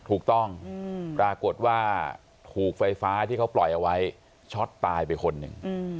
ถูกต้องปรากฏว่าถูกไฟฟ้าที่เขาปล่อยเอาไว้ช็อตตายไปคนหนึ่ง